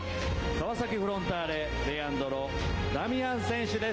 川崎フロンターレ、レアンドロ・ダミアン選手です。